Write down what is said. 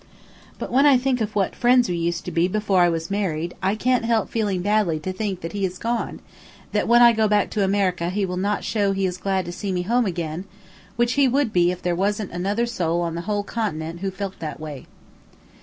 But when I think of what friends we used to be before I was married, I can't help feeling badly to think that he has gone; that when I go back to America he will not show he is glad to see me home again, which he would be if there wasn't another soul on the whole continent who felt that way."